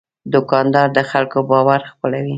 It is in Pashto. دوکاندار د خلکو باور خپلوي.